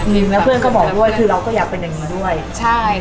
และเพื่อนก็บอกด้วยคือเราก็อยากเป็นอย่างนี้ด้วยใช่